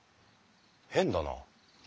変だな。